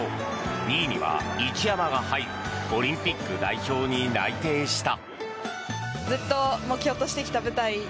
２位には一山が入りオリンピック代表に内定した。